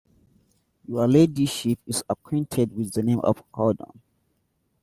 Your ladyship is acquainted with the name of Hawdon?